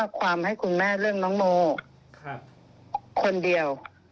อ่ะส่วนคุณกฤษณะเนี่ย